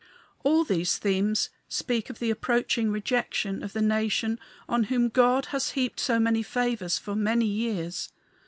All these themes speak of the approaching rejection of the nation on whom God has heaped so many favors for many years.